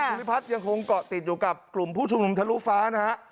คุณพิพัฒน์ยังคงเกาะติดอยู่กับกลุ่มผู้ชุมนุมทะลุฟ้านะฮะ